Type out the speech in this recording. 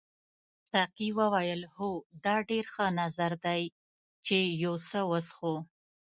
ساقي وویل هو دا ډېر ښه نظر دی چې یو څه وڅښو.